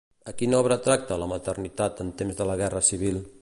A quina obra tracta la maternitat en temps de la guerra civil?